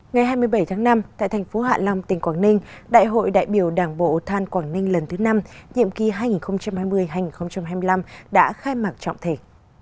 ngày hai mươi bảy tháng năm tại thành phố hạ long tỉnh quảng ninh đại hội đại biểu đảng bộ than quảng ninh lần thứ năm nhiệm kỳ hai nghìn hai mươi hai nghìn hai mươi năm đã khai mạc trọng thể